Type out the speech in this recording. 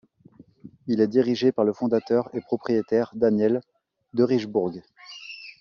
Il est dirigé par le fondateur et propriétaire Daniel Derichebourg.